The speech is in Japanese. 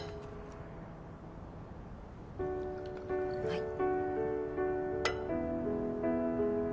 はい。